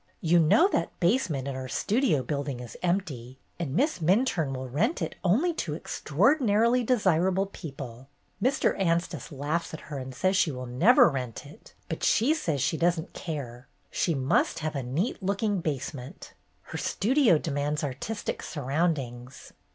"You know that the basement in our Studio building is empty, and Miss Minturne will rent it only to extraordinarily desirable people. Mr. Anstice laughs at her and says she will never rent it, but she says she does n't THE TWINE WASH RAG 167 care ; she must have a neat looking basement. Her Studio demands artistic surroundings.